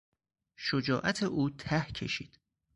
شجاعت او ته کشید.